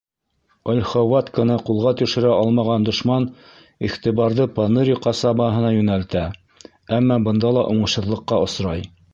Ольховатканы ҡулға төшөрә алмаған дошман иғтибарҙы Поныри ҡасабаһына йүнәлтә, әммә бында ла уңышһыҙлыҡҡа осрай.